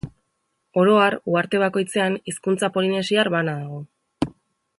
Oro har uharte bakoitzean hizkuntza polinesiar bana dago.